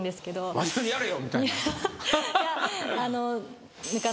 真面目にやれよみたいな？いや。